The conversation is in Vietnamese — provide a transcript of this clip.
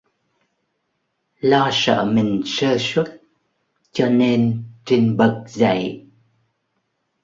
Lo sợ mình sơ suất cho nên trinh bật dậy